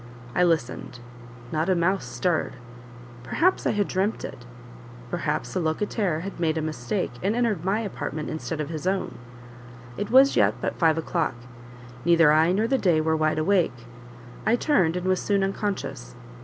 I listened; not a mouse stirred; perhaps I had dreamt it; perhaps a locataire had made a mistake, and entered my apartment instead of his own. It was yet but five o'clock; neither I nor the day were wide awake; I turned, and was soon unconscious.